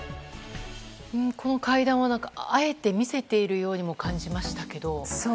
この会談はあえて見せているようにも感じましたけど。